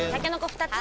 ２つ！